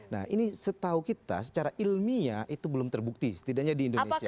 nah ini setahu kita secara ilmiah itu belum terbukti setidaknya di indonesia